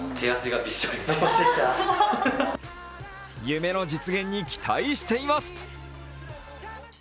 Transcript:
夢の実現に期待しています。